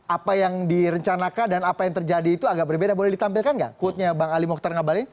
apa yang direncanakan dan apa yang terjadi itu agak berbeda boleh ditampilkan nggak quote nya bang ali mokhtar ngabalin